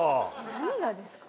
何がですか？